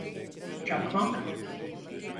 Çakmak.